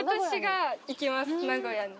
名古屋に。